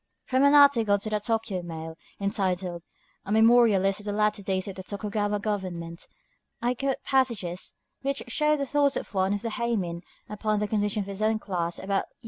From an article in the "Tōkyō Mail," entitled "A Memorialist of the Latter Days of the Tokugawa Government," I quote passages which show the thoughts of one of the héimin upon the condition of his own class about the year 1850.